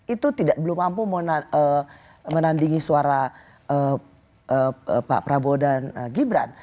itu belum mampu menandingi suara pak prabowo dan gibran